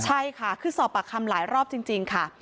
ใช่ค่ะคือสอบปากคำหลายรอบจริงค่ะ